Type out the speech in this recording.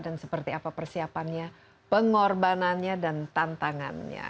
dan seperti apa persiapannya pengorbanannya dan tantangannya